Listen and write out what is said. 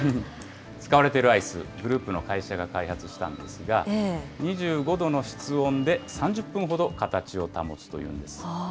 使われているアイス、グループの会社が開発したんですが、２５度の室温で３０分ほど、形を保つというんです。